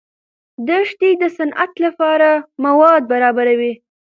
دښتې د صنعت لپاره مواد برابروي.